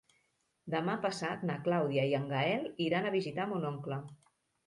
Demà passat na Clàudia i en Gaël iran a visitar mon oncle.